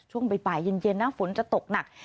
ช่วงบ่ายเย็นนะฝนจะตกหนัก